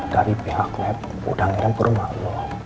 dari pihak lab udah ngirim ke rumah lo